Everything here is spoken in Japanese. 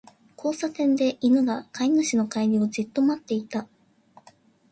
交差点で、犬が飼い主の帰りをじっと待っていた。